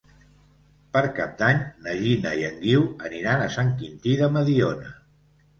Per Cap d'Any na Gina i en Guiu aniran a Sant Quintí de Mediona.